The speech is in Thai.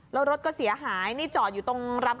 แล้วรถก็เสียหายนี่จอดอยู่ตรงรำ